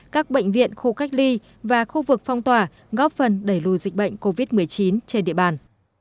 các bệnh viện khu cách ly và khu vực phong tỏa góp phần đẩy lùi dịch bệnh covid một mươi chín trên địa bàn